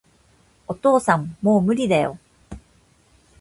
お父さん、もう無理だよ